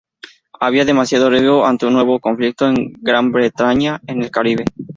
Había demasiado riesgo ante un nuevo conflicto con Gran Bretaña en el Caribe.